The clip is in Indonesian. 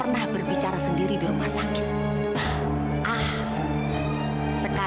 kamu bukan anak papa